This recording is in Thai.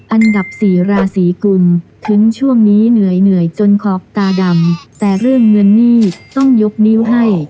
อันดับสี่ราศีกุลถึงช่วงนี้เหนื่อยเหนื่อยจนขอบตาดำแต่เรื่องเงินหนี้ต้องยกนิ้วให้